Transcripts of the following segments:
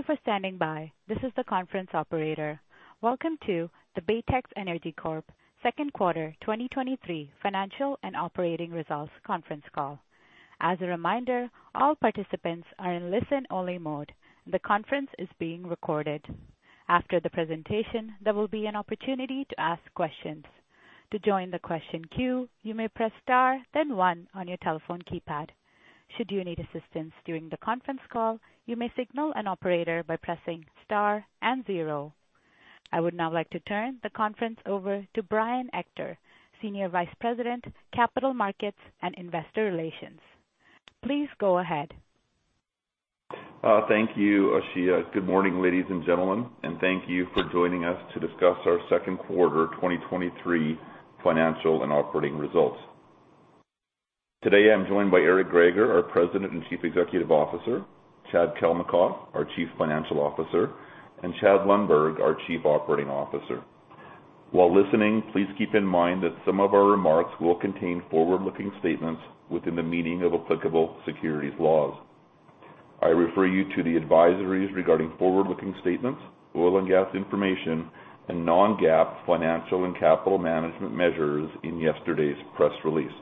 Thank you for standing by. This is the conference operator. Welcome to the Baytex Energy Corp Second Quarter 2023 Financial and Operating Results Conference Call. As a reminder, all participants are in listen-only mode, and the conference is being recorded. After the presentation, there will be an opportunity to ask questions. To join the question queue, you may press star, then one on your telephone keypad. Should you need assistance during the conference call, you may signal an operator by pressing star and zero. I would now like to turn the conference over to Brian Ector, Senior Vice President, Capital Markets and Investor Relations. Please go ahead. Thank you, Ishia. Good morning, ladies and gentlemen, and thank you for joining us to discuss our second quarter 2023 financial and operating results. Today, I'm joined by Eric Greager, our President and Chief Executive Officer, Chad Kalmakoff, our Chief Financial Officer, and Chad Lundberg, our Chief Operating Officer. While listening, please keep in mind that some of our remarks will contain forward-looking statements within the meaning of applicable securities laws. I refer you to the advisories regarding forward-looking statements, oil and gas information, and non-GAAP financial and capital management measures in yesterday's press release.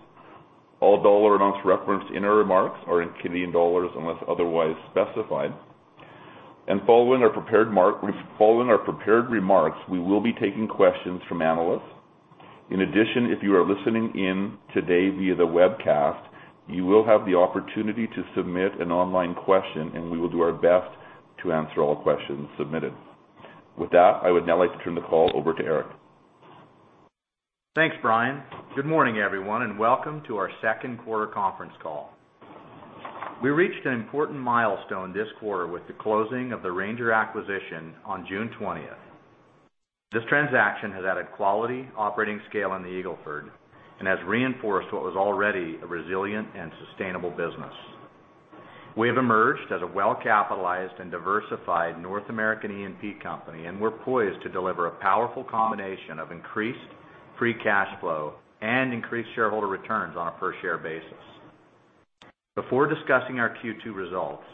All dollar amounts referenced in our remarks are in Canadian dollars, unless otherwise specified. Following our prepared remarks, we will be taking questions from analysts. In addition, if you are listening in today via the webcast, you will have the opportunity to submit an online question, and we will do our best to answer all questions submitted. With that, I would now like to turn the call over to Eric. Thanks, Brian. Good morning, everyone, and welcome to our second quarter conference call. We reached an important milestone this quarter with the closing of the Ranger acquisition on June twentieth. This transaction has added quality operating scale in the Eagle Ford and has reinforced what was already a resilient and sustainable business. We have emerged as a well-capitalized and diversified North American E&P company, and we're poised to deliver a powerful combination of increased Free Cash Flow and increased shareholder returns on a per-share basis. Before discussing our Q2 results,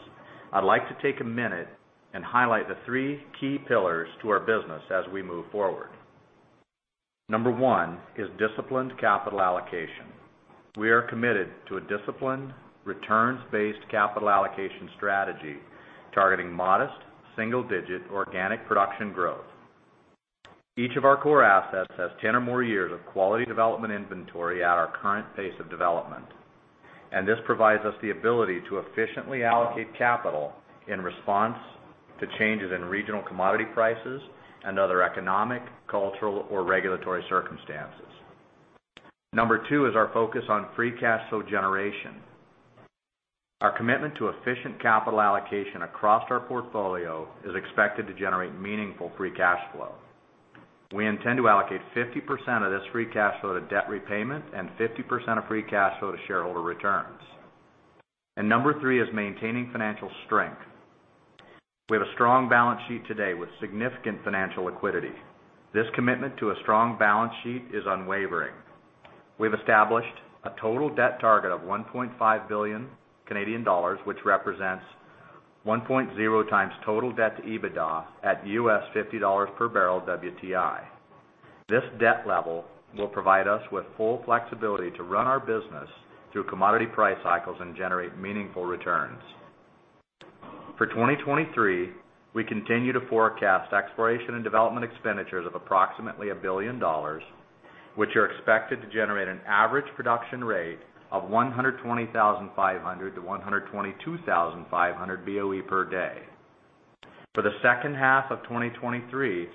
I'd like to take a minute and highlight the three key pillars to our business as we move forward. Number one is disciplined capital allocation. We are committed to a disciplined, returns-based capital allocation strategy, targeting modest single-digit organic production growth. Each of our core assets has 10 or more years of quality development inventory at our current pace of development, and this provides us the ability to efficiently allocate capital in response to changes in regional commodity prices and other economic, cultural, or regulatory circumstances. Number 2 is our focus on Free Cash Flow generation. Our commitment to efficient capital allocation across our portfolio is expected to generate meaningful Free Cash Flow. We intend to allocate 50% of this Free Cash Flow to debt repayment and 50% of Free Cash Flow to shareholder returns. Number 3 is maintaining financial strength. We have a strong balance sheet today with significant financial liquidity. This commitment to a strong balance sheet is unwavering. We've established a total debt target of 1.5 billion Canadian dollars, which represents 1.0x total debt to EBITDA at $50 per barrel WTI. This debt level will provide us with full flexibility to run our business through commodity price cycles and generate meaningful returns. For 2023, we continue to forecast exploration and development expenditures of approximately 1 billion dollars, which are expected to generate an average production rate of 120,500-122,500 BOE per day. For the second half of 2023,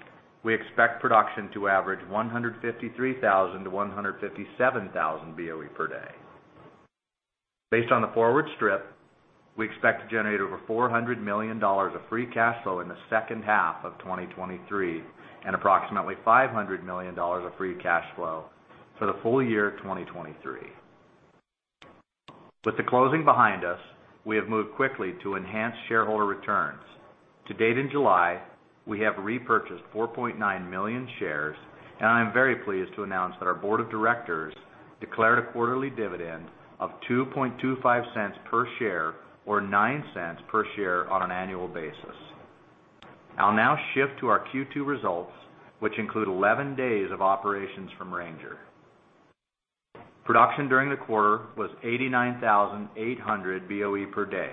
we expect production to average 153,000-157,000 BOE per day. Based on the forward strip, we expect to generate over 400 million dollars of Free Cash Flow in the second half of 2023 and approximately 500 million dollars of Free Cash Flow for the full year 2023. With the closing behind us, we have moved quickly to enhance shareholder returns. To date in July, we have repurchased 4.9 million shares. I'm very pleased to announce that our board of directors declared a quarterly dividend of 0.0225 per share or 0.09 per share on an annual basis. I'll now shift to our Q2 results, which include 11 days of operations from Ranger. Production during the quarter was 89,800 BOE per day,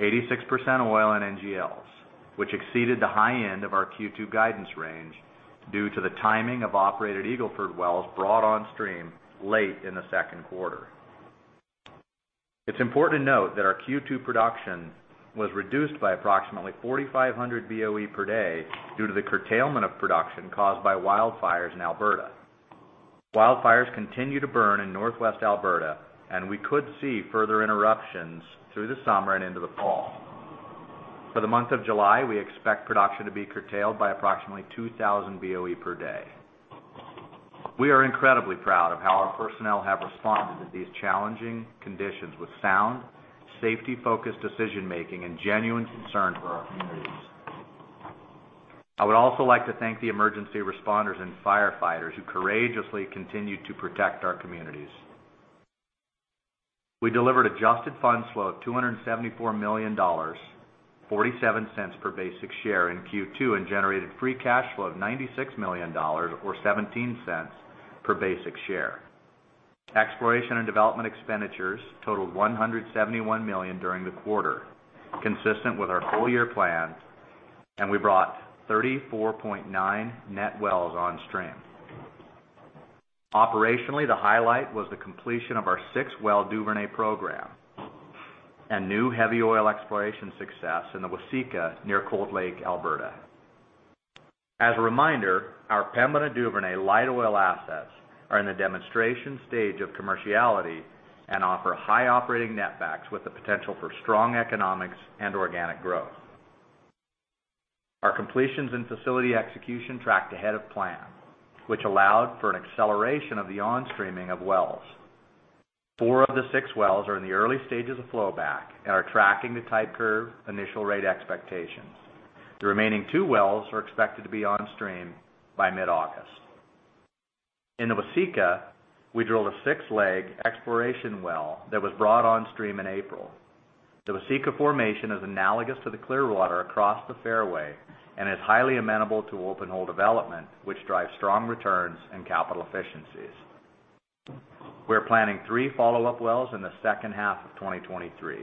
86% oil and NGLs, which exceeded the high end of our Q2 guidance range due to the timing of operated Eagle Ford wells brought on stream late in the second quarter. It's important to note that our Q2 production was reduced by approximately 4,500 BOE per day due to the curtailment of production caused by wildfires in Alberta. Wildfires continue to burn in Northwest Alberta, and we could see further interruptions through the summer and into the fall. For the month of July, we expect production to be curtailed by approximately 2,000 BOE per day. We are incredibly proud of how our personnel have responded to these challenging conditions with sound, safety-focused decision-making and genuine concern for our communities. I would also like to thank the emergency responders and firefighters who courageously continued to protect our communities. We delivered Adjusted Funds Flow of 274 million dollars, 0.47 per basic share in Q2, and generated Free Cash Flow of 96 million dollars, or 0.17 per basic share. Exploration and development expenditures totaled 171 million during the quarter, consistent with our full-year plan, and we brought 34.9 net wells on stream. Operationally, the highlight was the completion of our six-well Duvernay program, and new heavy oil exploration success in the Waseca, near Cold Lake, Alberta. As a reminder, our Pembina Duvernay light oil assets are in the demonstration stage of commerciality and offer high operating netbacks with the potential for strong economics and organic growth. Our completions and facility execution tracked ahead of plan, which allowed for an acceleration of the on-streaming of wells. 4 of the 6 wells are in the early stages of flowback and are tracking the type curve initial rate expectations. The remaining 2 wells are expected to be on stream by mid-August. In the Waseca, we drilled a 6-leg exploration well that was brought on stream in April. The Waseca formation is analogous to the Clearwater across the fairway and is highly amenable to open hole development, which drives strong returns and capital efficiencies. We're planning 3 follow-up wells in the second half of 2023.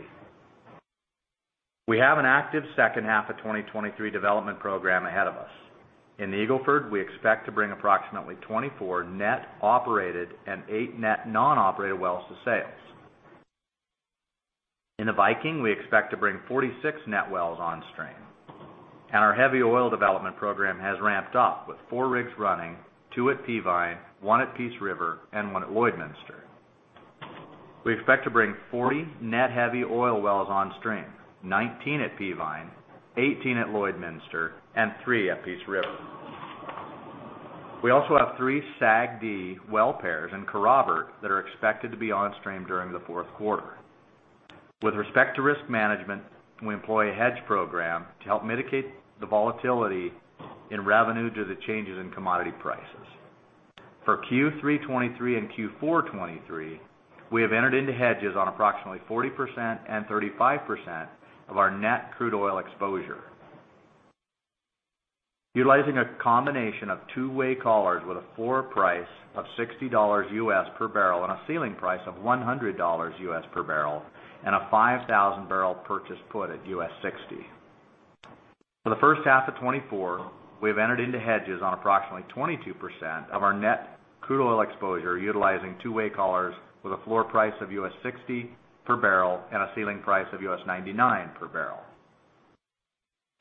We have an active second half of 2023 development program ahead of us. In the Eagle Ford, we expect to bring approximately 24 net operated and 8 net non-operated wells to sales. In the Viking, we expect to bring 46 net wells on stream, and our heavy oil development program has ramped up, with 4 rigs running, 2 at Peavine, 1 at Peace River, and 1 at Lloydminster. We expect to bring 40 net heavy oil wells on stream, 19 at Peavine, 18 at Lloydminster, and 3 at Peace River. We also have 3 SAGD well pairs in Kerrobert that are expected to be on stream during the fourth quarter. With respect to risk management, we employ a hedge program to help mitigate the volatility in revenue due to changes in commodity prices. For Q3 2023 and Q4 2023, we have entered into hedges on approximately 40% and 35% of our net crude oil exposure. Utilizing a combination of two-way collars with a floor price of $60 per barrel and a ceiling price of $100 per barrel, and a 5,000-barrel purchased put at $60. For the first half of 2024, we have entered into hedges on approximately 22% of our net crude oil exposure, utilizing two-way collars with a floor price of $60 per barrel and a ceiling price of $99 per barrel.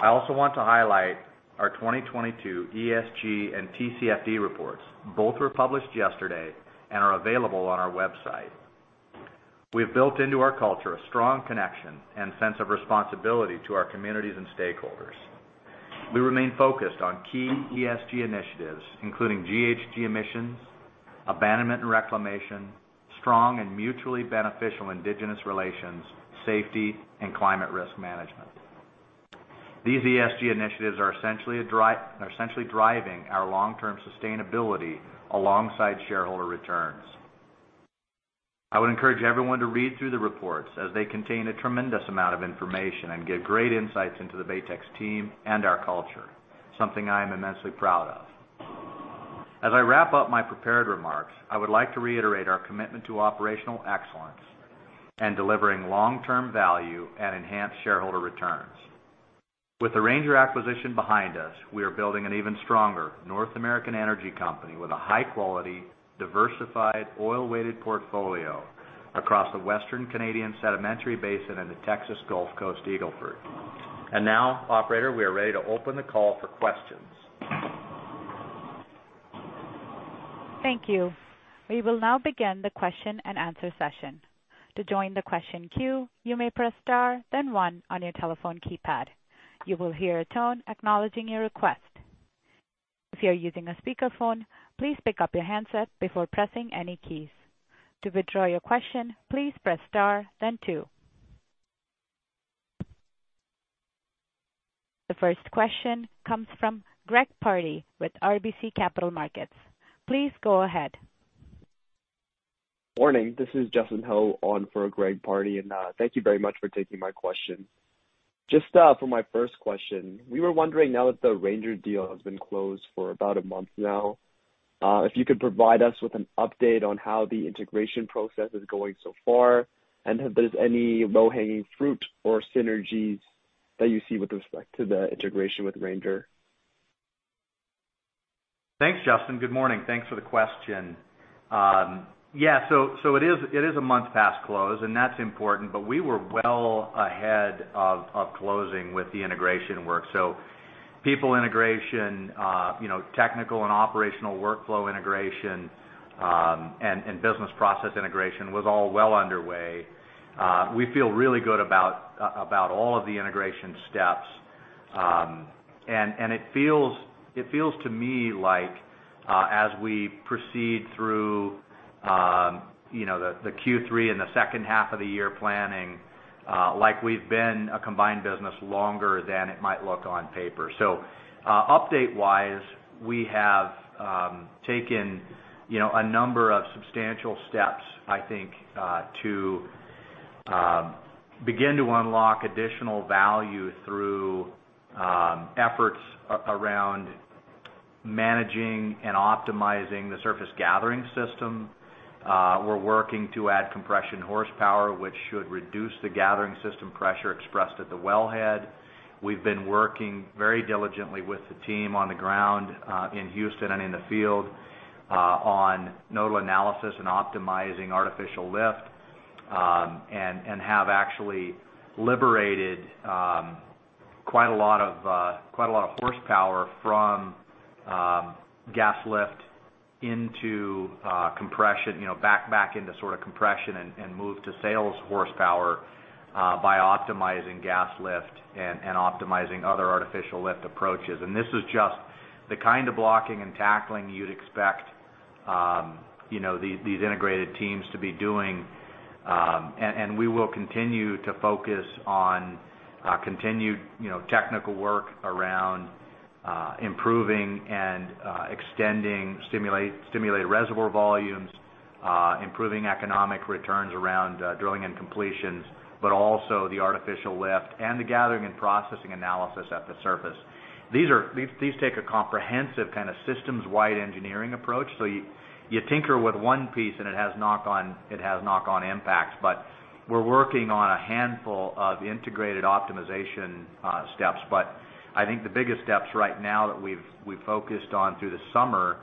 I also want to highlight our 2022 ESG and TCFD reports. Both were published yesterday and are available on our website. We've built into our culture a strong connection and sense of responsibility to our communities and stakeholders. We remain focused on key ESG initiatives, including GHG emissions, abandonment and reclamation, strong and mutually beneficial indigenous relations, safety, and climate risk management. These ESG initiatives are essentially driving our long-term sustainability alongside shareholder returns. I would encourage everyone to read through the reports, as they contain a tremendous amount of information and give great insights into the Baytex team and our culture, something I am immensely proud of. As I wrap up my prepared remarks, I would like to reiterate our commitment to operational excellence and delivering long-term value and enhanced shareholder returns. With the Ranger acquisition behind us, we are building an even stronger North American energy company with a high-quality, diversified, oil-weighted portfolio across the Western Canadian Sedimentary Basin and the Texas Gulf Coast Eagle Ford. Now, operator, we are ready to open the call for questions. Thank you. We will now begin the question-and-answer session. To join the question queue, you may press star then one on your telephone keypad. You will hear a tone acknowledging your request. If you are using a speakerphone, please pick up your handset before pressing any keys. To withdraw your question, please press star then two. The first question comes from Greg Pardy with RBC Capital Markets. Please go ahead. Morning, this is Justin Ho on for Greg Pardy, and thank you very much for taking my question. Just for my first question, we were wondering, now that the Ranger deal has been closed for about a month now, if you could provide us with an update on how the integration process is going so far, and if there's any low-hanging fruit or synergies that you see with respect to the integration with Ranger? Thanks, Justin. Good morning. Thanks for the question. Yeah, so, so it is, it is 1 month past close, and that's important, but we were well ahead of closing with the integration work. People integration, you know, technical and operational workflow integration, and business process integration was all well underway. We feel really good about all of the integration steps. And it feels, it feels to me like as we proceed through... you know, the Q3 and the second half of the year planning, like we've been a combined business longer than it might look on paper. Update-wise, we have taken, you know, a number of substantial steps, I think, to begin to unlock additional value through efforts around managing and optimizing the surface gathering system. g to add compression horsepower, which should reduce the gathering system pressure expressed at the wellhead. We've been working very diligently with the team on the ground in Houston and in the field on nodal analysis and optimizing artificial lift. And have actually liberated quite a lot of horsepower from gas lift into compression, back into sort of compression and move to sales horsepower by optimizing gas lift and optimizing other artificial lift approaches. And this is just the kind of blocking and tackling you'd expect these integrated teams to be doing." Um, and We will continue to focus on continued, you know, technical work around improving and extending stimulated reservoir volumes, improving economic returns around drilling and completions, but also the artificial lift and the gathering and processing analysis at the surface. These, these take a comprehensive kind of systems-wide engineering approach. You, you tinker with one piece, and it has knock-on, it has knock-on impacts. We're working on a handful of integrated optimization steps. I think the biggest steps right now that we've, we've focused on through the summer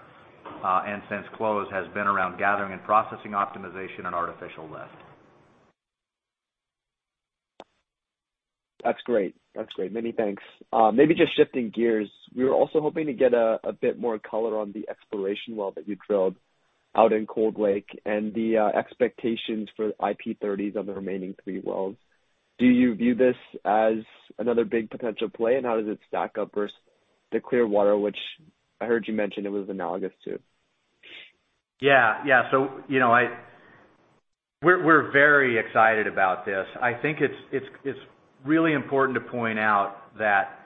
and since close, has been around gathering and processing optimization and artificial lift. That's great. That's great. Many thanks. Maybe just shifting gears, we were also hoping to get a bit more color on the exploration well that you drilled out in Cold Lake and the expectations for IP30s on the remaining three wells. Do you view this as another big potential play, and how does it stack up versus the Clearwater, which I heard you mention it was analogous to? Yeah. Yeah. You know, I-- we're, we're very excited about this. I think it's, it's, it's really important to point out that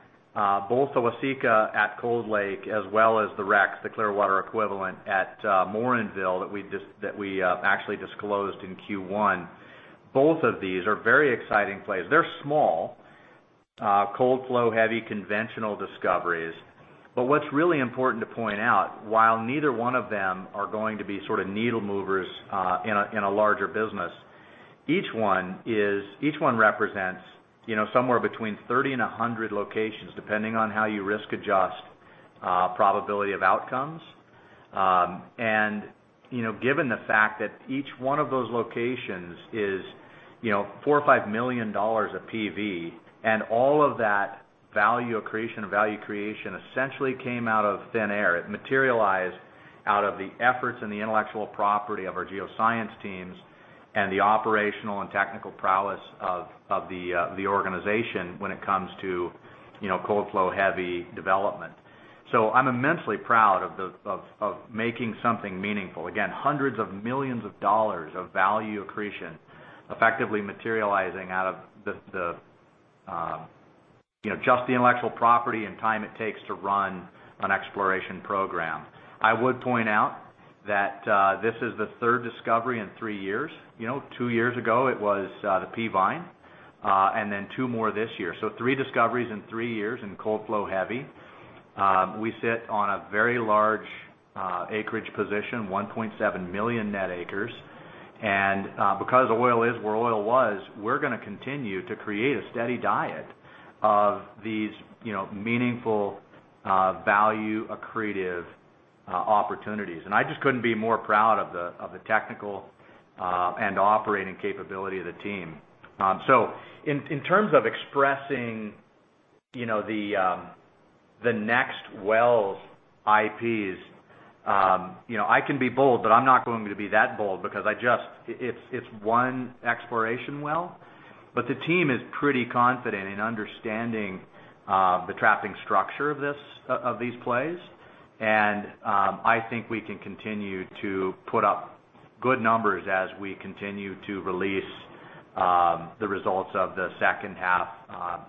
both the Waseca at Cold Lake as well as the Rex, the Clearwater equivalent at Morinville, that we actually disclosed in Q1, both of these are very exciting plays. They're small, cold flow, heavy, conventional discoveries. What's really important to point out, while neither one of them are going to be sort of needle movers in a larger business, each one is-- each one represents, you know, somewhere between 30 and 100 locations, depending on how you risk adjust probability of outcomes. You know, given the fact that each one of those locations is, you know, 4 million-5 million dollars PV, and all of that value accretion and value creation essentially came out of thin air. It materialized out of the efforts and the intellectual property of our geoscience teams and the operational and technical prowess of, of the organization when it comes to, you know, cold flow heavy development. I'm immensely proud of the making something meaningful. Again, CAD hundreds of millions of value accretion effectively materializing out of the, the, you know, just the intellectual property and time it takes to run an exploration program. I would point out that this is the 3rd discovery in 3 years. You know, 2 years ago, it was the Peavine, and then 2 more this year. Three discoveries in 3 years in cold flow heavy. We sit on a very large acreage position, 1.7 million net acres. Because oil is where oil was, we're gonna continue to create a steady diet of these, you know, meaningful, value accretive opportunities. I just couldn't be more proud of the, of the technical and operating capability of the team. In, in terms of expressing, you know, the next wells IPs, you know, I can be bold, but I'm not going to be that bold because I just... It's, it's 1 exploration well. The team is pretty confident in understanding the trapping structure of this, of these plays. I think we can continue to put up good numbers as we continue to release, the results of the second half,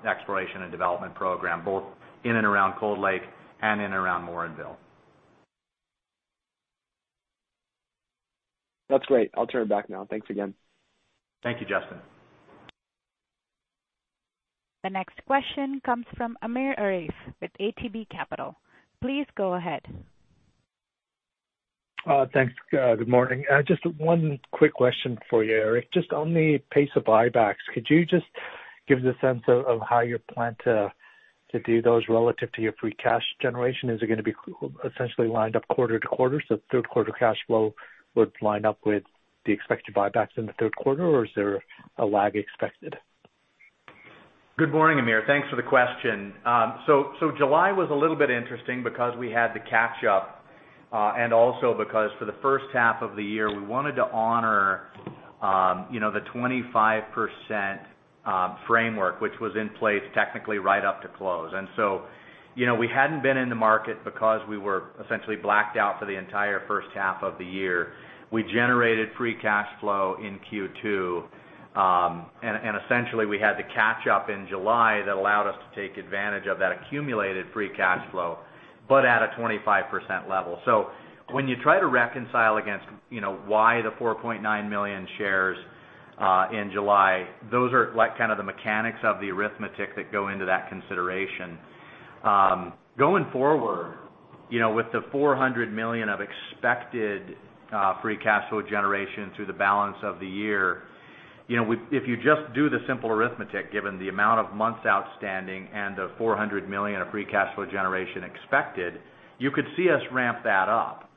exploration and development program, both in and around Cold Lake and in and around Morinville. That's great. I'll turn it back now. Thanks again. Thank you, Justin. The next question comes from Amir Arif with ATB Capital. Please go ahead. Thanks. Good morning. Just one quick question for you, Eric. Just on the pace of buybacks, could you just give us a sense of how you plan to do those relative to your free cash generation? Is it gonna be essentially lined up quarter to quarter, so third quarter cash flow would line up with the expected buybacks in the third quarter, or is there a lag expected? Good morning, Amir. Thanks for the question. July was a little bit interesting because we had to catch up, and also because for the first half of the year, we wanted to honor, you know, the 25% framework, which was in place technically right up to close. You know, we hadn't been in the market because we were essentially blacked out for the entire first half of the year. We generated Free Cash Flow in Q2, essentially, we had to catch up in July that allowed us to take advantage of that accumulated Free Cash Flow, but at a 25% level. When you try to reconcile against, you know, why the 4.9 million shares in July, those are like kind of the mechanics of the arithmetic that go into that consideration. Going forward, you know, with the 400 million of expected Free Cash Flow generation through the balance of the year, you know, if you just do the simple arithmetic, given the amount of months outstanding and the 400 million of Free Cash Flow generation expected, you could see us ramp that up.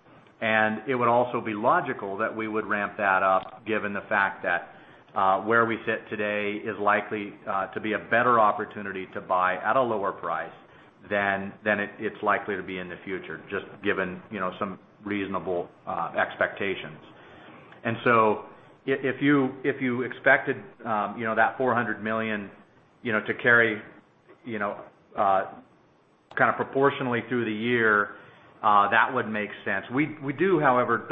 It would also be logical that we would ramp that up, given the fact that where we sit today is likely to be a better opportunity to buy at a lower price than, than it, it's likely to be in the future, just given, you know, some reasonable expectations. If you, if you expected, you know, that 400 million, you know, to carry, you know, kind of proportionally through the year, that would make sense. We do, however,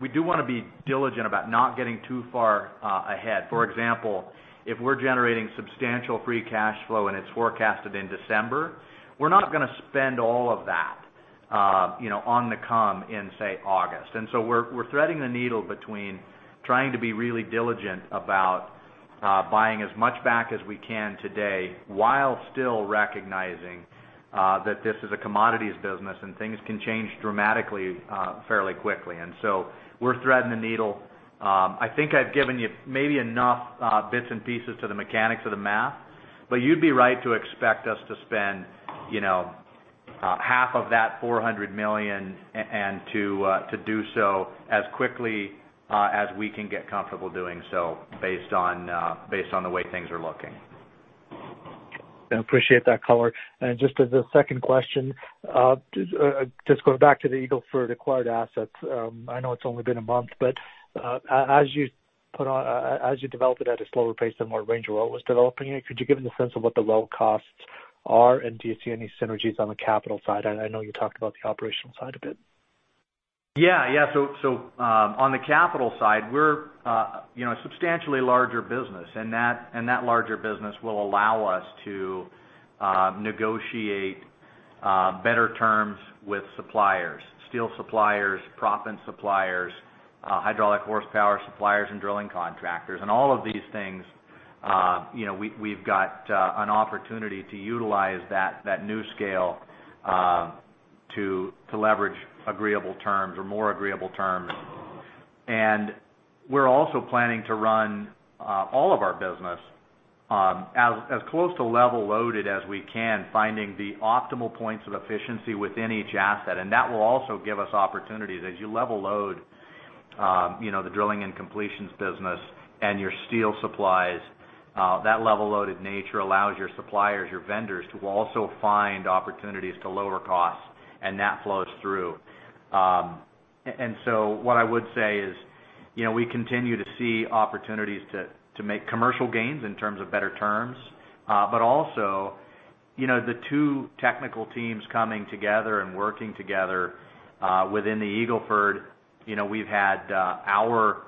we do want to be diligent about not getting too far ahead. For example, if we're generating substantial Free Cash Flow, and it's forecasted in December, we're not going to spend all of that, you know, on the come in, say, August. We're threading the needle between trying to be really diligent about buying as much back as we can today, while still recognizing that this is a commodities business, and things can change dramatically fairly quickly. We're threading the needle. I think I've given you maybe enough bits and pieces to the mechanics of the math. You'd be right to expect us to spend, you know, half of that 400 million, and to do so as quickly as we can get comfortable doing so, based on based on the way things are looking. I appreciate that color. Just as a second question, just going back to the Eagle Ford acquired assets. I know it's only been a month, but as you develop it at a slower pace than what Ranger Oil was developing it, could you give me a sense of what the low costs are, and do you see any synergies on the capital side? I know you talked about the operational side a bit. Yeah, yeah. So, on the capital side, we're, you know, a substantially larger business, and that, and that larger business will allow us to negotiate better terms with suppliers: steel suppliers, proppant suppliers, hydraulic horsepower suppliers, and drilling contractors. All of these things, you know, we, we've got an opportunity to utilize that, that new scale to leverage agreeable terms or more agreeable terms. We're also planning to run all of our business as, as close to level loaded as we can, finding the optimal points of efficiency within each asset. That will also give us opportunities. As you level load, you know, the drilling and completions business and your steel supplies, that level loaded nature allows your suppliers, your vendors, to also find opportunities to lower costs, and that flows through. So what I would say is, you know, we continue to see opportunities to, to make commercial gains in terms of better terms. Also, you know, the two technical teams coming together and working together, within the Eagle Ford, you know, we've had, our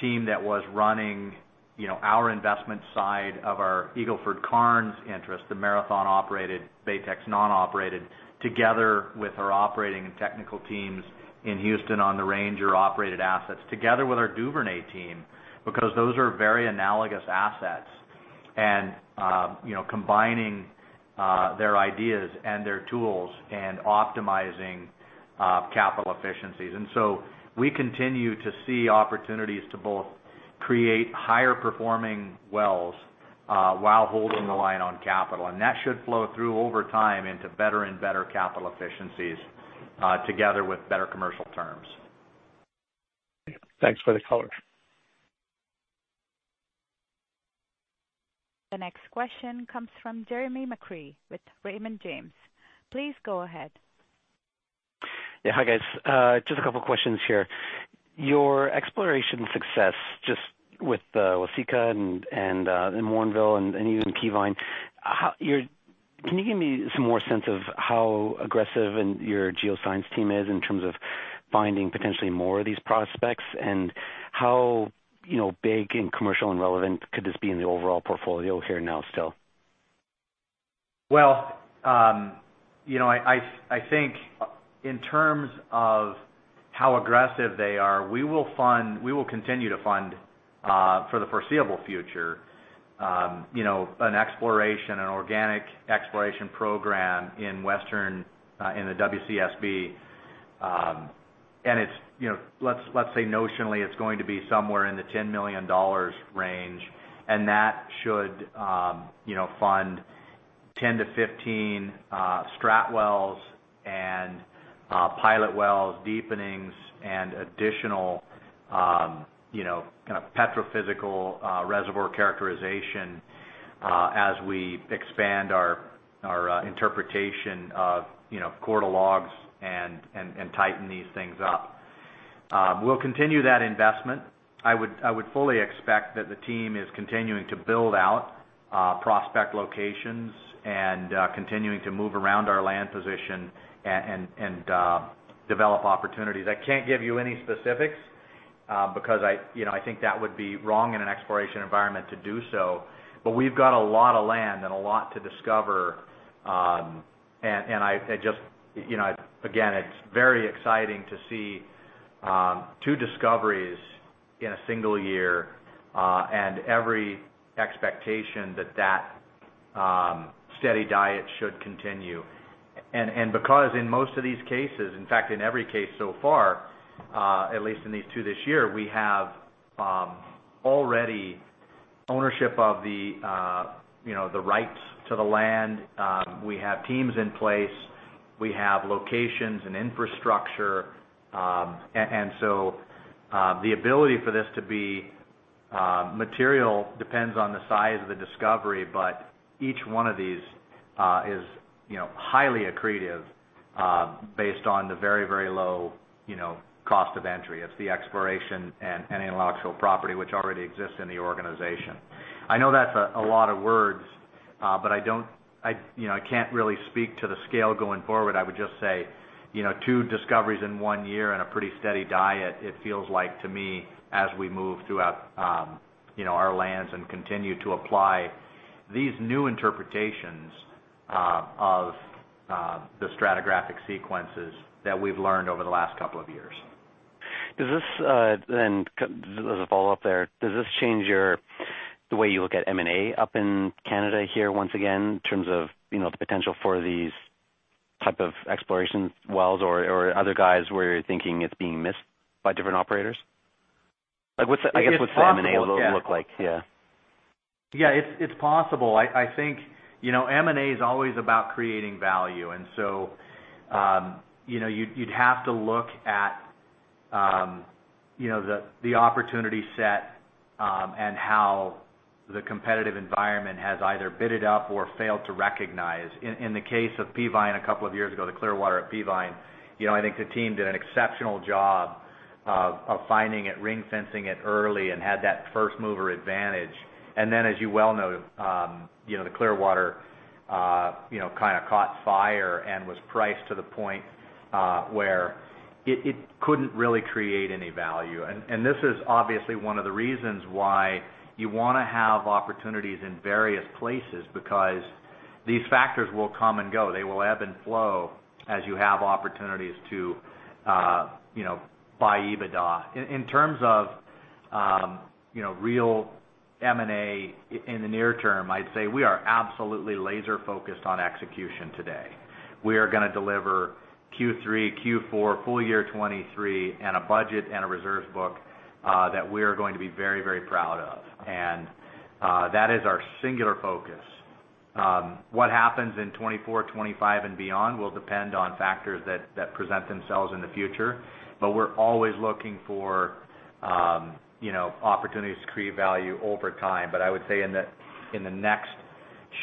team that was running, you know, our investment side of our Eagle Ford Karnes interest, the Marathon operated, Baytex non-operated, together with our operating and technical teams in Houston on the Ranger-operated assets, together with our Duvernay team, because those are very analogous assets. You know, combining, their ideas and their tools and optimizing, capital efficiencies. So we continue to see opportunities to both create higher performing wells, while holding the line on capital, and that should flow through over time into better and better capital efficiencies, together with better commercial terms. Thanks for the color. The next question comes from Jeremy McCrea with Raymond James. Please go ahead. Yeah. Hi, guys. just a couple of questions here. Your exploration success, just with Waseca and, and in Mannville and even Peavine. Can you give me some more sense of how aggressive and your geoscience team is in terms of finding potentially more of these prospects? How, you know, big and commercial and relevant could this be in the overall portfolio here now still? Well, you know, I, I, I think in terms of how aggressive they are, we will continue to fund for the foreseeable future, you know, an exploration, an organic exploration program in Western in the WCSB. It's, you know, let's, let's say notionally, it's going to be somewhere in the 10 million dollars range, and that should, you know, fund 10-15 strat wells and pilot wells, deepenings and additional, you know, kind of petrophysical reservoir characterization, as we expand our interpretation of, you know, core to logs and, and, and tighten these things up. We'll continue that investment. I would, I would fully expect that the team is continuing to build out prospect locations and continuing to move around our land position and, and, develop opportunities. I can't give you any specifics, because I, you know, I think that would be wrong in an exploration environment to do so. We've got a lot of land and a lot to discover, and, and I, I just, you know, again, it's very exciting to see, two discoveries in a single year, and every expectation that that, steady diet should continue. Because in most of these cases, in fact, in every case so far, at least in these two this year, we have, already ownership of the, you know, the rights to the land. We have teams in place, we have locations and infrastructure, and, and so, the ability for this to be material depends on the size of the discovery, but each one of these is, you know, highly accretive, based on the very, very low, you know, cost of entry. It's the exploration and any intellectual property which already exists in the organization. I know that's a, a lot of words. I don't-- I, you know, I can't really speak to the scale going forward. I would just say, you know, two discoveries in one year and a pretty steady diet, it feels like to me, as we move throughout, you know, our lands and continue to apply these new interpretations of the stratigraphic sequences that we've learned over the last couple of years. Does this, as a follow-up there, does this change your, the way you look at M&A up in Canada here, once again, in terms of, you know, the potential for these type of exploration wells or, or other guys where you're thinking it's being missed by different operators? Like? Yeah. Yeah, it's, it's possible. I, I think, you know, M&A is always about creating value. You'd, you'd have to look at, you know, the, the opportunity set, and how the competitive environment has either bidded up or failed to recognize. In, in the case of Peavine, a couple of years ago, the Clearwater at Peavine, you know, I think the team did an exceptional job of, of finding it, ring fencing it early, and had that first mover advantage. As you well know, you know, the Clearwater, you know, kind of caught fire and was priced to the point where it, it couldn't really create any value. This is obviously one of the reasons why you wanna have opportunities in various places, because these factors will come and go. They will ebb and flow as you have opportunities to, you know, buy EBITDA. In, in terms of, you know, real M&A in the near term, I'd say we are absolutely laser focused on execution today. We are gonna deliver Q3, Q4, full year 2023, and a budget and a reserves book, that we are going to be very, very proud of. That is our singular focus. What happens in 2024, 2025, and beyond will depend on factors that, that present themselves in the future. We're always looking for, you know, opportunities to create value over time. I would say in the, in the next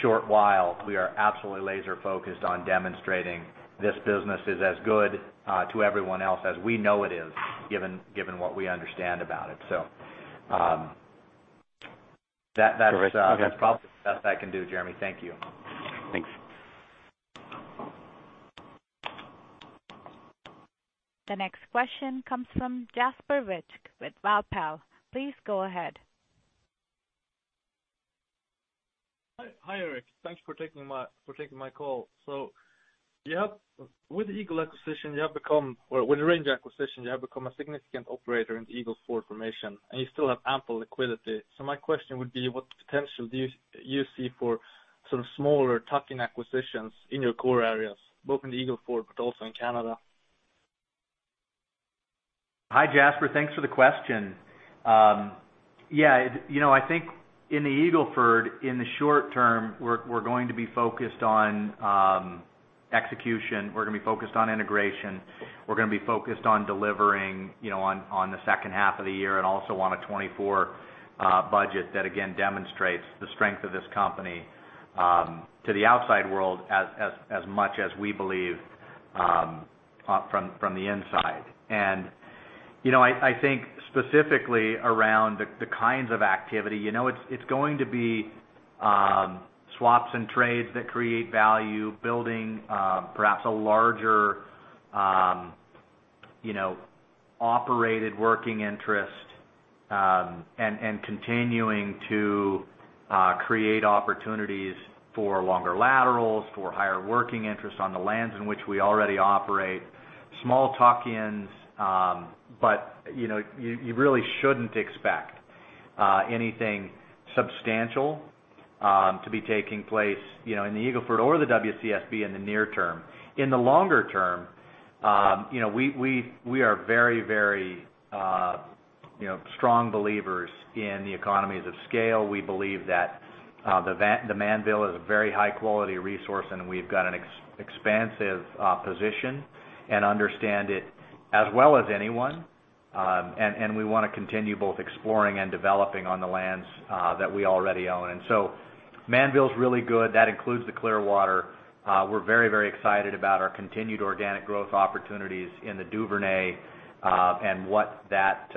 short while, we are absolutely laser focused on demonstrating this business is as good, to everyone else as we know it is, given, given what we understand about it. That's probably the best I can do, Jeremy. Thank you. Thanks. The next question comes from Jasper Wijk with Valpal. Please go ahead. Hi, hi, Eric. Thanks for taking my, for taking my call. You have with the Eagle acquisition, you have become or with the Ranger acquisition, you have become a significant operator in the Eagle Ford information, and you still have ample liquidity. My question would be: What potential do you see for sort of smaller tuck-in acquisitions in your core areas, both in the Eagle Ford but also in Canada? Hi, Jasper, thanks for the question. Yeah, it, you know, I think in the Eagle Ford, in the short term, we're, we're going to be focused on execution. We're gonna be focused on integration. We're gonna be focused on delivering, you know, on, on the second half of the year and also on a 2024 budget. That, again, demonstrates the strength of this company, to the outside world as, as, as much as we believe, from, from the inside. You know, I, I think specifically around the, the kinds of activity, you know, it's, it's going to be swaps and trades that create value, building, perhaps a larger, you know, operated working interest, and, and continuing to create opportunities for longer laterals, for higher working interest on the lands in which we already operate. Small tuck-ins, you know, you, you really shouldn't expect anything substantial to be taking place, you know, in the Eagle Ford or the WCSB in the near term. In the longer term, you know, we, we, we are very, very, you know, strong believers in the economies of scale. We believe that the Mannville is a very high-quality resource, and we've got an expansive position and understand it as well as anyone. We want to continue both exploring and developing on the lands that we already own. Mannville is really good. That includes the Clearwater. We're very, very excited about our continued organic growth opportunities in the Duvernay, and what that,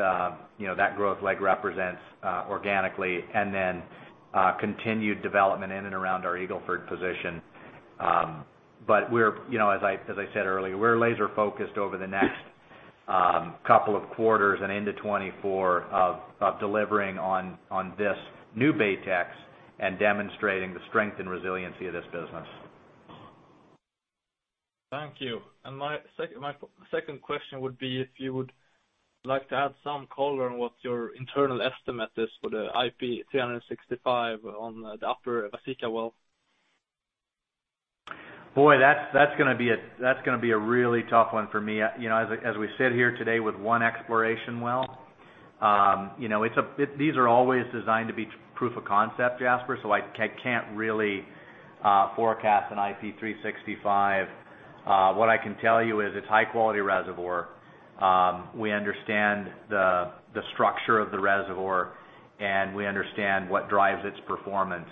you know, that growth, like, represents, organically, and then, continued development in and around our Eagle Ford position. We're, you know, as I, as I said earlier, we're laser focused over the next couple of quarters and into 2024 of, of delivering on, on this new Baytex and demonstrating the strength and resiliency of this business. Thank you. My second question would be if you would like to add some color on what your internal estimate is for the IP365 on the upper Waseca well? Boy, that's, that's gonna be a, that's gonna be a really tough one for me. You know, as, as we sit here today with one exploration well, you know, these are always designed to be proof of concept, Jasper, so I can't really forecast an IP365. What I can tell you is it's high-quality reservoir. We understand the structure of the reservoir, and we understand what drives its performance.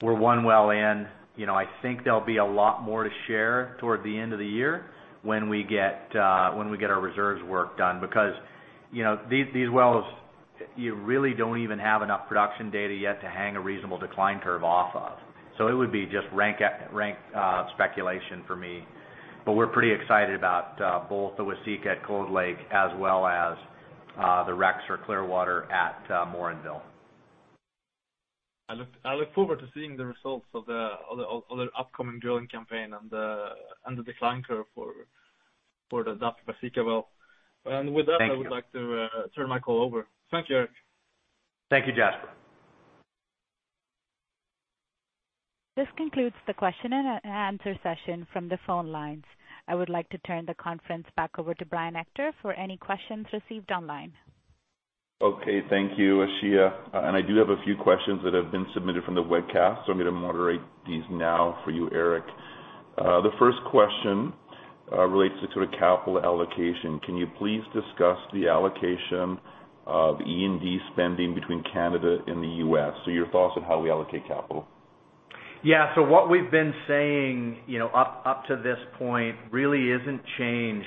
We're one well in. You know, I think there'll be a lot more to share toward the end of the year when we get when we get our reserves work done, because, you know, these wells, you really don't even have enough production data yet to hang a reasonable decline curve off of. It would be just rank, rank speculation for me. We're pretty excited about, both the Waseca at Cold Lake as well as, the Rex or Clearwater at, Morinville. I look, I look forward to seeing the results of the, of the, of the upcoming drilling campaign and the, and the decline curve for, for the Waseca well. Thank you. With that, I would like to turn my call over. Thank you, Eric. Thank you, Jasper. This concludes the question and answer session from the phone lines. I would like to turn the conference back over to Brian Ector for any questions received online. Okay, thank you, Ishia. I do have a few questions that have been submitted from the webcast, so I'm gonna moderate these now for you, Eric. The first question relates to sort of capital allocation. Can you please discuss the allocation of E&D spending between Canada and the US? Your thoughts on how we allocate capital. Yeah. What we've been saying, you know, up, up to this point really isn't changed.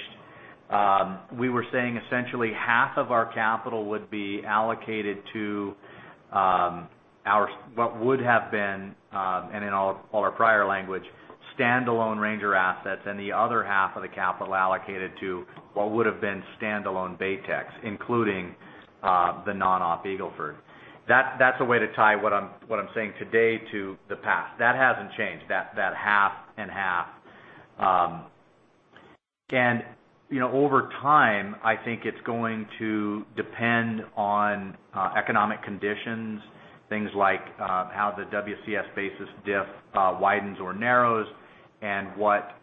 We were saying essentially half of our capital would be allocated to our-- what would have been, and in all, all our prior language, standalone Ranger assets, and the other half of the capital allocated to what would have been standalone Baytex, including the non-op Eagle Ford. That, that's a way to tie what I'm, what I'm saying today to the past. That hasn't changed, that, that half and half. And, you know, over time, I think it's going to depend on economic conditions, things like how the WCS basis diff widens or narrows and what,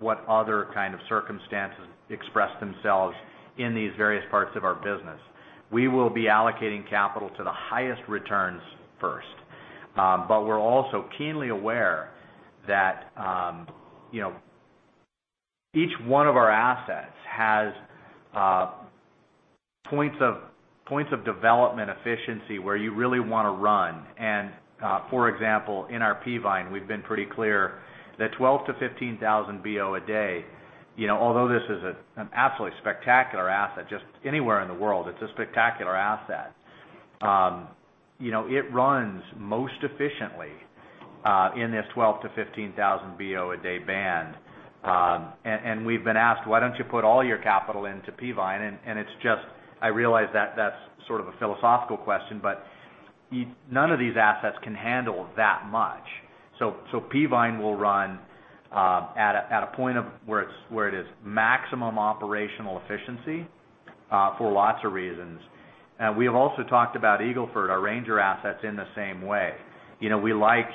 what other kind of circumstances express themselves in these various parts of our business. We will be allocating capital to the highest returns first. We're also keenly aware that, you know, each one of our assets has points of, points of development efficiency where you really wanna run. For example, in our Peavine, we've been pretty clear that 12,000-15,000 BO a day, you know, although this is a, an absolutely spectacular asset, just anywhere in the world, it's a spectacular asset, you know, it runs most efficiently in this 12,000-15,000 BO a day band. We've been asked: Why don't you put all your capital into Peavine? It's just... I realize that that's sort of a philosophical question, but none of these assets can handle that much. Peavine will run at a, at a point of where it's, where it is maximum operational efficiency for lots of reasons. We have also talked about Eagle Ford, our Ranger assets, in the same way. You know, we like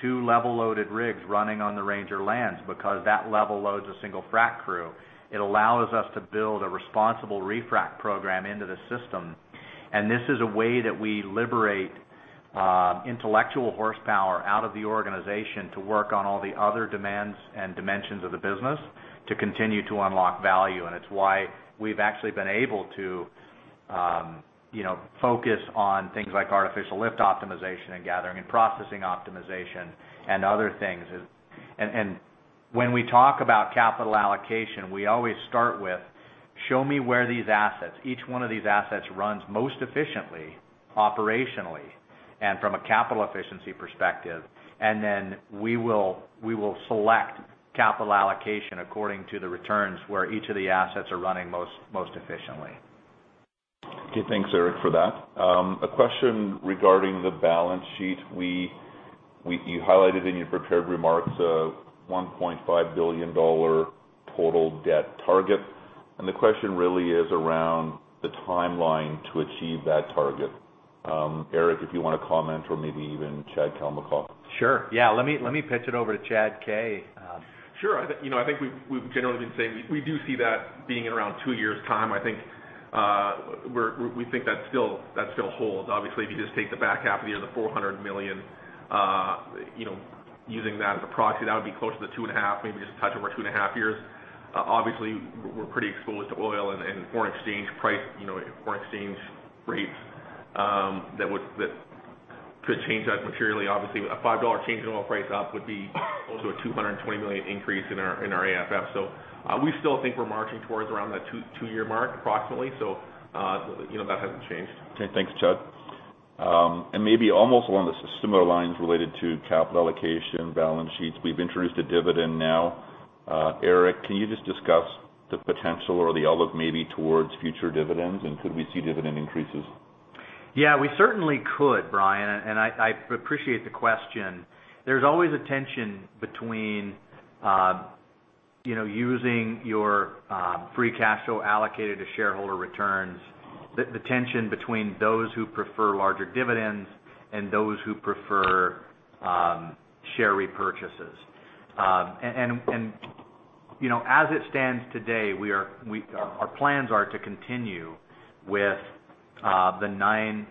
two level-loaded rigs running on the Ranger lands because that level loads a single frac crew. It allows us to build a responsible refrac program into the system, this is a way that we liberate intellectual horsepower out of the organization to work on all the other demands and dimensions of the business to continue to unlock value. It's why we've actually been able to, you know, focus on things like artificial lift optimization and gathering and processing optimization and other things. When we talk about capital allocation, we always start with, show me where these assets, each one of these assets, runs most efficiently, operationally, and from a capital efficiency perspective. Then we will, we will select capital allocation according to the returns, where each of the assets are running most, most efficiently. Okay, thanks, Eric, for that. A question regarding the balance sheet. You highlighted in your prepared remarks, a 1.5 billion dollar total debt target, and the question really is around the timeline to achieve that target. Eric, if you wanna comment, or maybe even Chad Kalmakoff. Sure, yeah. Let me, let me pitch it over to Chad K. Sure. I think, you know, I think we've, we've generally been saying we, we do see that being around 2 years' time. I think, we think that still, that still holds. Obviously, if you just take the back half of the year, the 400 million, using that as a proxy, that would be closer to 2.5, maybe just a touch over 2.5 years. Obviously, we're pretty exposed to oil and, and foreign exchange price, you know, foreign exchange rates, that could change that materially. Obviously, a 5 dollar change in oil price up would be also a 220 million increase in our, in our AFF. We still think we're marching towards around that 2, 2-year mark, approximately. You know, that hasn't changed. Okay, thanks, Chad. Maybe almost along the similar lines related to capital allocation, balance sheets. We've introduced a dividend now. Eric, can you just discuss the potential or the outlook, maybe towards future dividends, and could we see dividend increases? Yeah, we certainly could, Brian, and I, I appreciate the question. There's always a tension between, you know, using your Free Cash Flow allocated to shareholder returns. The tension between those who prefer larger dividends and those who prefer share repurchases. You know, as it stands today, our plans are to continue with the 0.09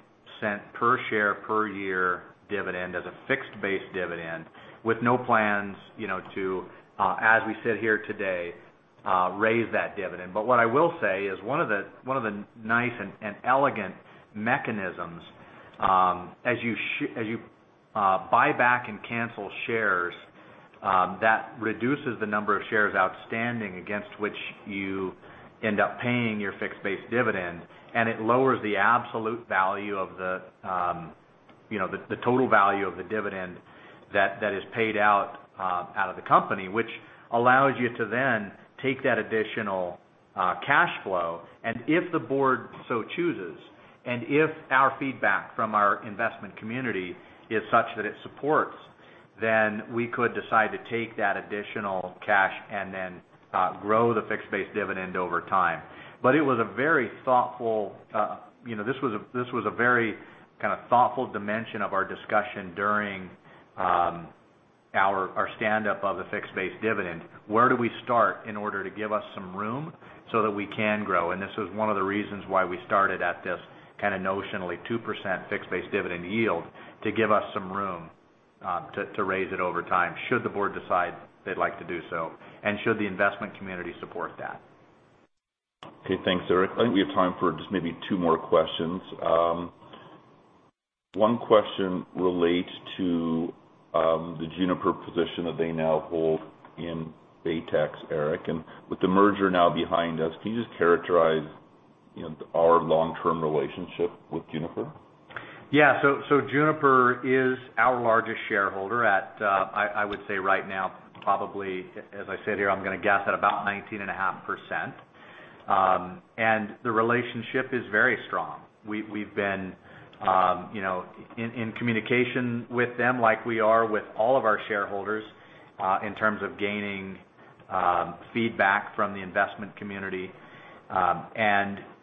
per share, per year dividend as a fixed base dividend, with no plans, you know, to, as we sit here today, raise that dividend. What I will say is one of the, one of the nice and, and elegant mechanisms, as you as you buy back and cancel shares, that reduces the number of shares outstanding against which you end up paying your fixed base dividend, and it lowers the absolute value of the, you know, the, the total value of the dividend that, that is paid out out of the company. Which allows you to then take that additional cash flow, and if the board so chooses, and if our feedback from our investment community is such that it supports, then we could decide to take that additional cash and then grow the fixed base dividend over time. It was a very thoughtful, you know, this was a, this was a very kind of thoughtful dimension of our discussion during our, our standup of the fixed base dividend. Where do we start in order to give us some room so that we can grow? This was one of the reasons why we started at this kind of notionally 2% fixed base dividend yield, to give us some room, to, to raise it over time, should the board decide they'd like to do so, and should the investment community support that. Okay, thanks, Eric. I think we have time for just maybe two more questions. One question relates to the Juniper position that they now hold in Baytex, Eric. With the merger now behind us, can you just characterize, you know, our long-term relationship with Juniper? Yeah. Juniper is our largest shareholder at, I, I would say right now, probably, as I sit here, I'm gonna guess, at about 19.5%. The relationship is very strong. We, we've been, you know, in, in communication with them like we are with all of our shareholders, in terms of gaining feedback from the investment community.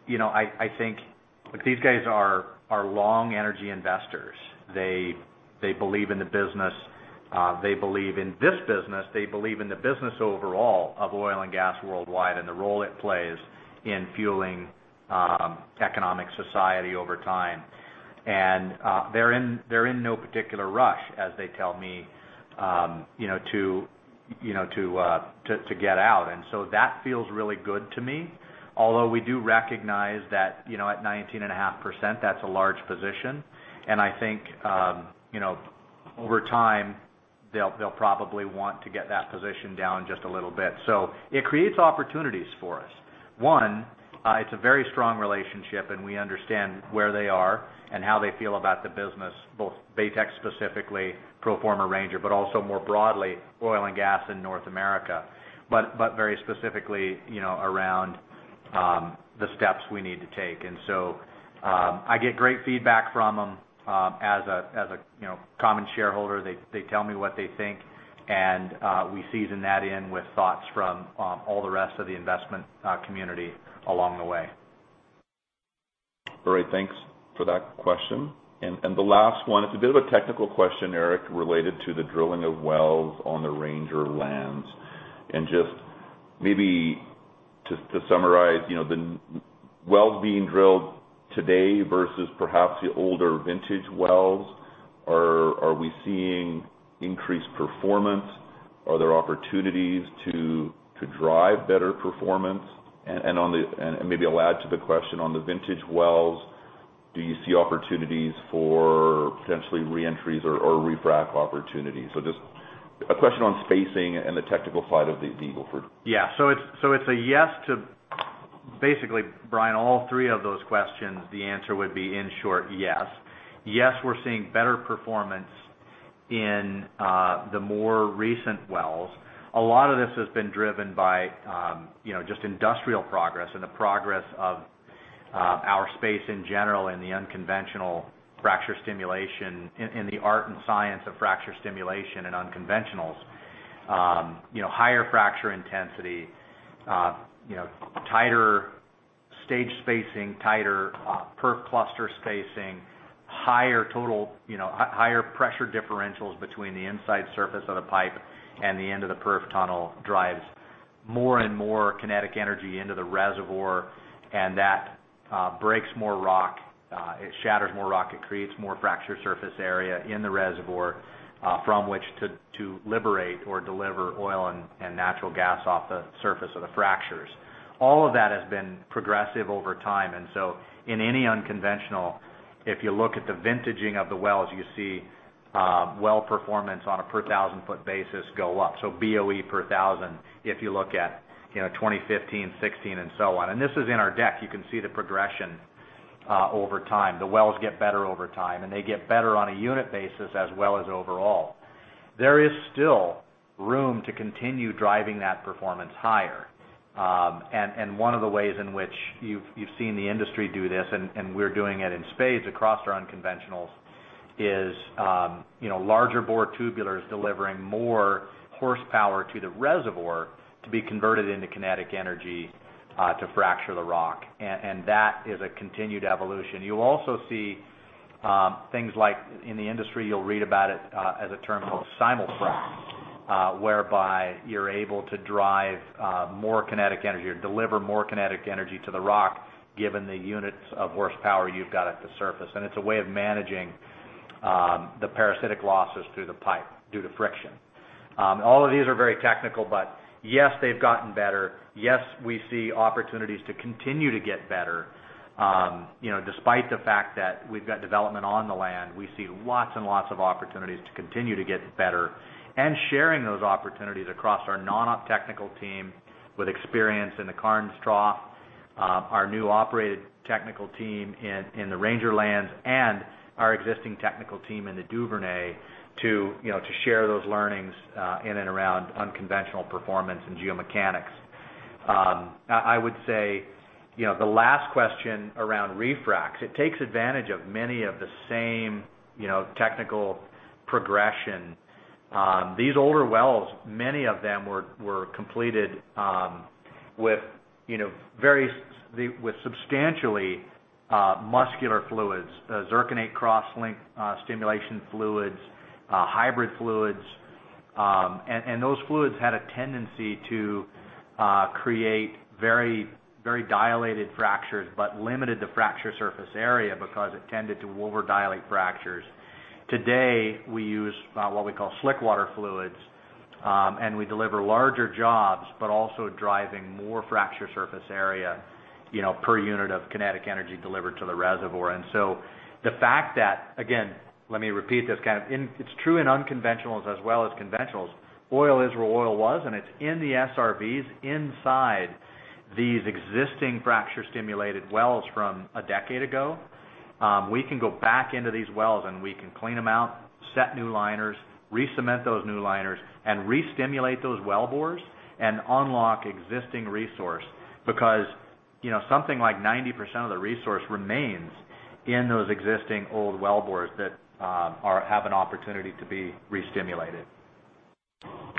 You know, I, I think. These guys are, are long energy investors. They, they believe in the business, they believe in this business, they believe in the business overall of oil and gas worldwide, and the role it plays in fueling economic society over time. They're in, they're in no particular rush, as they tell me, you know, to, you know, to, to get out. That feels really good to me. Although we do recognize that, you know, at 19.5%, that's a large position, and I think, you know, over time, they'll, they'll probably want to get that position down just a little bit. It creates opportunities for us. One, it's a very strong relationship, and we understand where they are and how they feel about the business, both Baytex specifically, pro forma Ranger, but also more broadly, oil and gas in North America, but, but very specifically, you know, around, the steps we need to take. I get great feedback from them, as a, as a, you know, common shareholder. They, they tell me what they think, and, we season that in with thoughts from, all the rest of the investment, community along the way. All right, thanks for that question. The last one, it's a bit of a technical question, Eric, related to the drilling of wells on the Ranger lands. Just maybe to summarize, you know, the wells being drilled today versus perhaps the older vintage wells, are we seeing increased performance? Are there opportunities to drive better performance? On the-- maybe I'll add to the question: On the vintage wells, do you see opportunities for potentially reentries or refrac opportunities? Just a question on spacing and the technical side of the Eagle Ford. Yeah. it's, so it's a yes to, basically, Brian, all three of those questions, the answer would be, in short, yes. Yes, we're seeing better performance in the more recent wells. A lot of this has been driven by, you know, just industrial progress and the progress of our space in general and the unconventional fracture stimulation, in, in the art and science of fracture stimulation and unconventionals. You know, higher fracture intensity, you know, tighter stage spacing, tighter perf cluster spacing, higher total, you know, higher pressure differentials between the inside surface of the pipe and the end of the perf tunnel drives. more and more kinetic energy into the reservoir, and that breaks more rock, it shatters more rock, it creates more fracture surface area in the reservoir, from which to, to liberate or deliver oil and natural gas off the surface of the fractures. All of that has been progressive over time. In any unconventional, if you look at the vintaging of the wells, you see well performance on a per 1,000-foot basis go up. BOE per 1,000, if you look at, you know, 2015, 2016, and so on. This is in our deck, you can see the progression over time. The wells get better over time, and they get better on a unit basis as well as overall. There is still room to continue driving that performance higher. One of the ways in which you've, you've seen the industry do this, we're doing it in spades across our unconventionals, is, you know, larger bore tubulars delivering more horsepower to the reservoir to be converted into kinetic energy to fracture the rock. That is a continued evolution. You also see things like in the industry, you'll read about it as a term called simul-frac, whereby you're able to drive more kinetic energy or deliver more kinetic energy to the rock, given the units of horsepower you've got at the surface. It's a way of managing the parasitic losses through the pipe due to friction. All of these are very technical, but yes, they've gotten better. Yes, we see opportunities to continue to get better. You know, despite the fact that we've got development on the land, we see lots and lots of opportunities to continue to get better. Sharing those opportunities across our non-op technical team with experience in the Karnes Trough, our new operated technical team in the Ranger lands, and our existing technical team in the Duvernay, to, you know, to share those learnings, in and around unconventional performance and geomechanics. I, I would say, you know, the last question around refrac, it takes advantage of many of the same, you know, technical progression. These older wells, many of them were, were completed, with, you know, with substantially, [muscular fluids], zirconate cross-link, stimulation fluids, hybrid fluids. and those fluids had a tendency to create very, very dilated fractures, but limited the fracture surface area because it tended to over dilate fractures. Today, we use what we call slickwater fluids, and we deliver larger jobs, but also driving more fracture surface area, you know, per unit of kinetic energy delivered to the reservoir. So the fact that, again, let me repeat this, kind of, in-- it's true in unconventionals as well as conventionals. Oil is where oil was, and it's in the SRVs, inside these existing fracture-stimulated wells from a decade ago. We can go back into these wells, and we can clean them out, set new liners, recement those new liners, and restimulate those well bores and unlock existing resource. Because, you know, something like 90% of the resource remains in those existing old well bores that have an opportunity to be re-stimulated.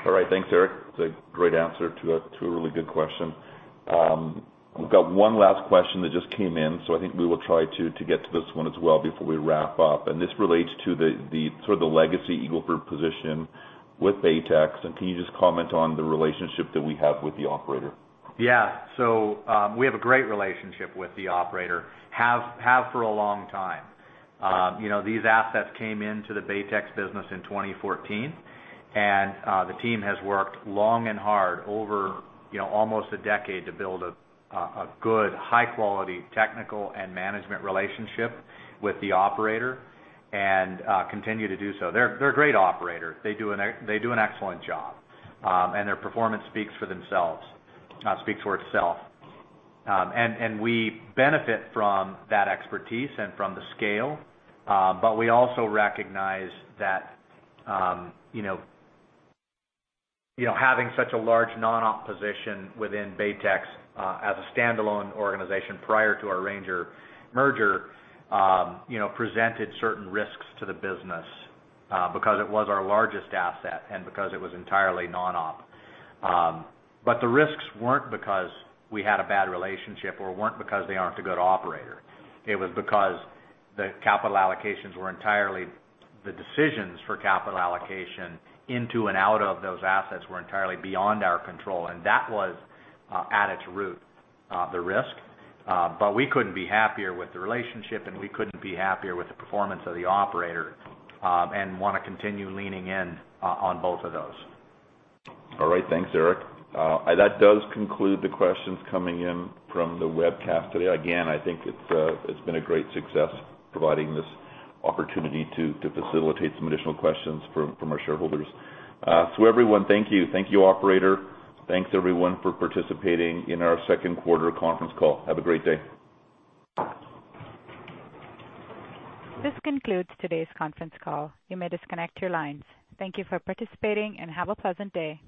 All right. Thanks, Eric. It's a great answer to a, to a really good question. We've got 1 last question that just came in, so I think we will try to, to get to this one as well before we wrap up. This relates to the, the sort of the legacy Eagle Ford position with Baytex. Can you just comment on the relationship that we have with the operator? Yeah. So, we have a great relationship with the operator, have, have for a long time. You know, these assets came into the Baytex business in 2014, and the team has worked long and hard over, you know, almost a decade to build a good, high-quality technical and management relationship with the operator, and continue to do so. They're, they're a great operator. They do an excellent job, and their performance speaks for themselves, speaks for itself. We benefit from that expertise and from the scale, but we also recognize that, you know, you know, having such a large non-op position within Baytex, as a standalone organization prior to our Ranger merger, you know, presented certain risks to the business, because it was our largest asset and because it was entirely non-op. The risks weren't because we had a bad relationship or weren't because they aren't a good operator. It was because the capital allocations were entirely. The decisions for capital allocation into and out of those assets were entirely beyond our control, and that was, at its root, the risk. We couldn't be happier with the relationship, and we couldn't be happier with the performance of the operator, and want to continue leaning in on both of those. All right. Thanks, Eric. That does conclude the questions coming in from the webcast today. Again, I think it's, it's been a great success providing this opportunity to, to facilitate some additional questions from, from our shareholders. Everyone, thank you. Thank you, Operator. Thanks, everyone, for participating in our second quarter conference call. Have a great day. This concludes today's conference call. You may disconnect your lines. Thank you for participating, have a pleasant day.